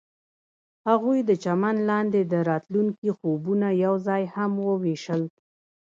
هغوی د چمن لاندې د راتلونکي خوبونه یوځای هم وویشل.